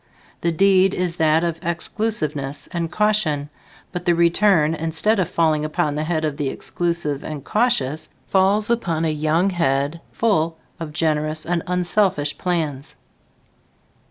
The deed is that of exclusiveness and caution, but the return, instead of falling upon the head of the exclusive and cautious, falls upon a young head full of generous and unselfish plans.